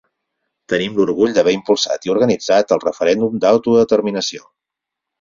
Tenim l’orgull d’haver impulsat i organitzat el referèndum d’autodeterminació.